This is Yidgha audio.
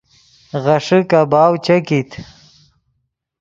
غیݰے کباؤ چے کیت